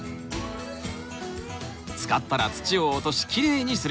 使ったら土を落としきれいにする！